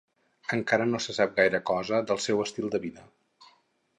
Encara no se sap gaire cosa del seu estil de vida.